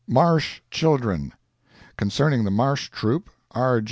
MARSH CHILDREN Concerning the Marsh troupe, R.